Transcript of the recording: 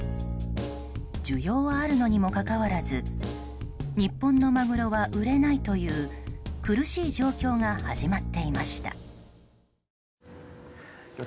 需要はあるのにもかかわらず日本のマグロは売れないという苦しい状況が始まっていました。